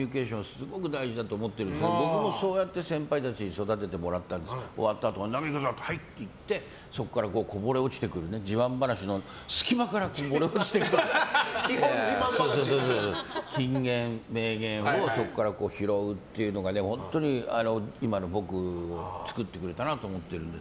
すごく大事だと思ってるので僕もそうやって先輩たちに育ててもらったり終わったあと、飲み行くぞはい！って言ってそこからこぼれ落ちてく自慢話の隙間からこぼれ落ちてく金言、名言をそこから拾うっていうのが本当に今の僕を作ってくれたなと思ってるので。